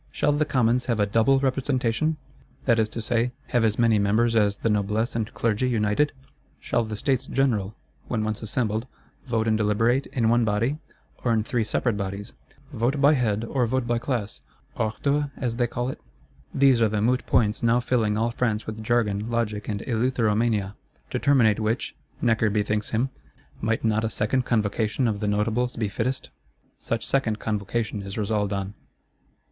Shall the Commons have a "double representation," that is to say, have as many members as the Noblesse and Clergy united? Shall the States General, when once assembled, vote and deliberate, in one body, or in three separate bodies; "vote by head, or vote by class,"—ordre as they call it? These are the moot points now filling all France with jargon, logic and eleutheromania. To terminate which, Necker bethinks him, Might not a second Convocation of the Notables be fittest? Such second Convocation is resolved on.